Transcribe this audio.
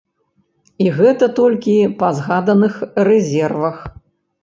І гэта толькі па згаданых рэзервах.